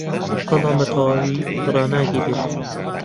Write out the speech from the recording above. بەڵام بەتەواوی ڕایناگرێت